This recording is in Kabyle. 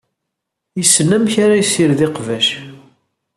Yessen amek ara yessired iqbac.